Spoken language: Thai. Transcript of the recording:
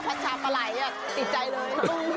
ชาปลาไหลติดใจเลย